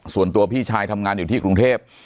ส่วนตัวพี่ชายทำงานอยู่ที่กรุงเทพ